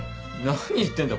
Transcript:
何言ってんだ。